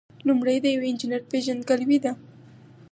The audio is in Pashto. لومړی د یو انجینر پیژندګلوي ده.